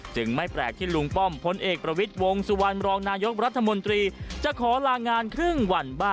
จึงไม่แปลกที่ลุงป้อมพลเอกประวิดวงศุวรรณรองยกรัฐมนตรียังขอลางอย่างครึ่งวัน